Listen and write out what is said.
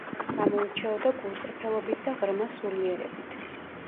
გამოირჩეოდა გულწრფელობით და ღრმა სულიერებით.